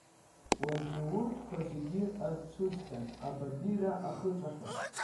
Уажәы урҭқәа зегьы ацәыӡхьан, абабира ахыҵәахьан.